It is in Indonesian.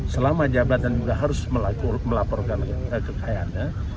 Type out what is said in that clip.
selama jabatan juga harus melaporkan kekayaannya